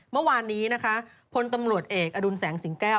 เมื่อวานนี้นะคะพลตำรวจเอกอดุลแสงสิงแก้ว